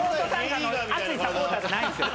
熱いサポーターじゃないんですよ。